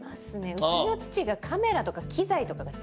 うちの父がカメラとか機材とかが大好きで。